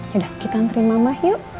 yaudah kita antri mama yuk